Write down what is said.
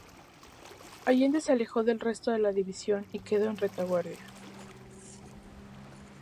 Allende se alejó del resto de la división y quedó en retaguardia.